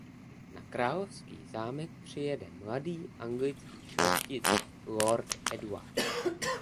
Na královský zámek přijede mladý anglický šlechtic lord Edward.